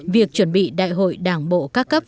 việc chuẩn bị đại hội đảng bộ các cấp